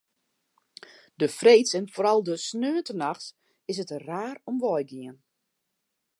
De freeds en foaral de sneontenachts is it der raar om wei gien.